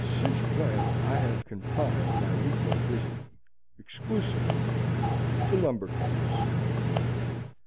Since when I have confined my week end visiting exclusively to lumber camps.